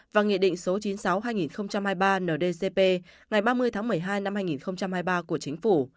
và nghị định số chín mươi sáu hai nghìn hai mươi ba ndcp ngày ba mươi tháng một mươi hai năm hai nghìn hai mươi ba của chính phủ